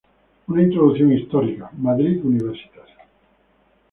Una introducción histórica", Madrid, Universitas.